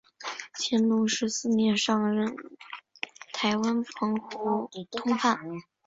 乾隆十四年上任台湾澎湖通判。